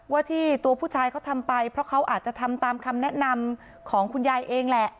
ว่าที่ตัวผู้ชายเขาทำไปเพราะเขาอาจจะทำตามคำแนะนำของคุณยายเองแหละ